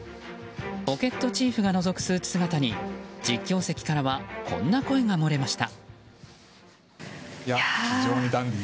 ポケットチーフがのぞくスーツ姿に、実況席からはこんな声が漏れました。